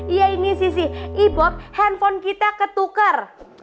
iya ini sisi ibok handphone kita ketuker